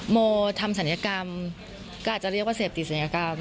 โมทำศัลยกรรมก็อาจจะเรียกว่าเสพติดศัลยกรรม